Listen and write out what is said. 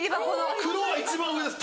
黒は一番上です